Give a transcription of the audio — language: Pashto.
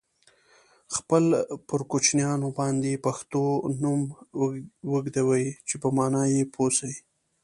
خپل پر کوچنیانو باندي پښتو نوم ویږدوی چې په مانا یې پوه سی.